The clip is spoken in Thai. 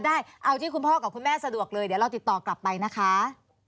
ได้เอาที่คุณพ่อกับคุณแม่สะดวกเลยเดี๋ยวเราติดต่อกลับไปนะคะ